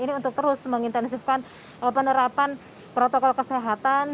ini untuk terus mengintensifkan penerapan protokol kesehatan